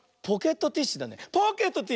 ポケットティッシュだね。